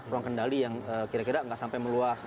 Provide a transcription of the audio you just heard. ruang kendali yang kira kira nggak sampai meluas